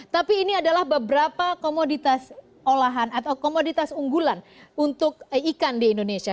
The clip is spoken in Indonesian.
tapi ini adalah beberapa komoditas olahan atau komoditas unggulan untuk ikan di indonesia